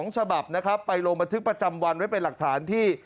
ฉบับนะครับไปลงบันทึกประจำวันไว้เป็นหลักฐานที่